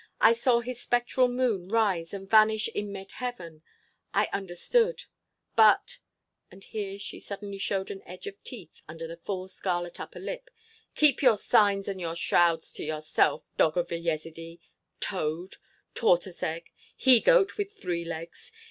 I saw his spectral moon rise and vanish in mid heaven. I understood. But——" And here she suddenly showed an edge of teeth under the full scarlet upper lip: "Keep your signs and your shrouds to yourself, dog of a Yezidee!—toad!—tortoise egg!—he goat with three legs!